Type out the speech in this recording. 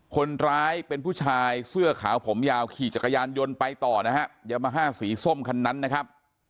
คนร้ายเป็นผู้ชายเสื้อขาวผมยาวขี่จักรยานยนต์ไปต่อนะฮะยามาฮ่าสีส้มคันนั้นนะครับ